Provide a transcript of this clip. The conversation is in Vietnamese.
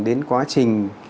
đến quá trình